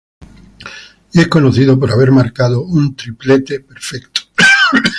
Y es conocido por haber marcado un hat-trick perfecto